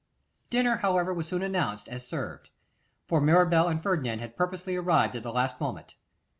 Dinner, however, was soon announced as served, for Mirabel and Ferdinand had purposely arrived at the last moment.